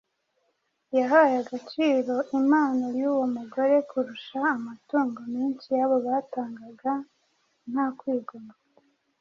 Yahaye agaciro impano y’uwo mugore kurusha amaturo menshi y’abo batangaga nta kwigomwa.